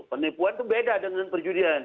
penipuan itu beda dengan perjudian